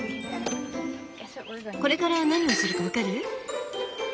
これから何をするか分かる？